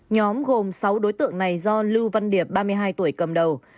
nhóm gồm sáu đối tượng này do lưu văn điệp ba mươi hai tuổi cầm đầu